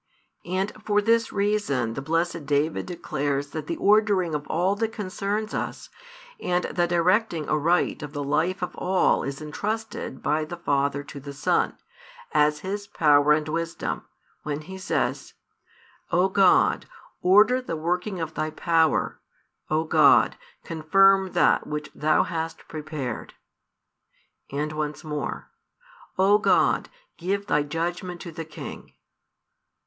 And for this reason the blessed David declares that the ordering of all that concerns us, and the directing aright of the life of all is entrusted by the Father to the Son, as His power and wisdom, when he says: O God, order the working of Thy power: O God, confirm that which Thou hast prepared; and once more: O God, give Thy judgment to the King.